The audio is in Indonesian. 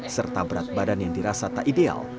serta berat badan yang dirasa tak ideal